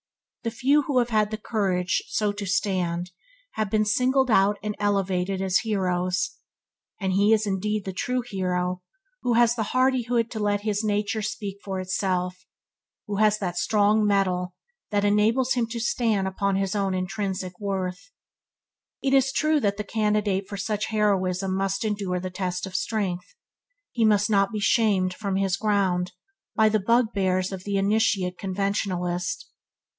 The few who have had the courage to so stand, have been singled out and elevated as heroes; and he is indeed the true hero who has the hardihood to let his nature speak for itself, who has that strong metal which enables him to stand upon his own intrinsic worth. It is true that the candidate for such heroism must endure the test of strength. He must not be shamed from his ground by the bugbears of an initiate conventionalist.